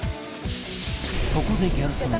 ここでギャル曽根